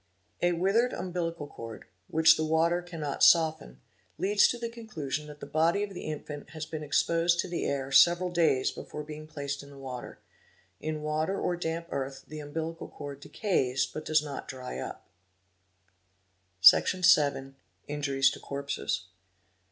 A withered umbilical cord, which the water cannots often, leads to the conclusion that the body of the infant has been exposed to the air several days before being placed in the water; in water or damp earth the umbilical cord decays but does not dry up "2 , Section vii.—Injuries to Corpses.